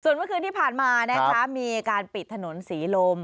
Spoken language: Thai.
ส่วนเมื่อคืนที่ผ่านมามีการปิดถนนศรีลม